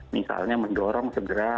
misalnya mendorong segera